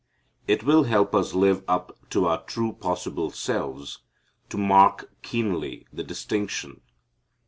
It will help us live up to our true possible selves to mark keenly the distinction.